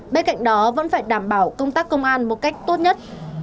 bên cạnh đó vẫn phải đảm bảo công tác công an một cách tốt nhất